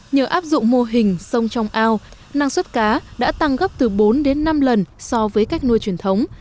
nhờ áp dụng mô hình sông trong ao năng suất cá đã tăng gấp từ bốn đến năm lần so với cách nuôi truyền thống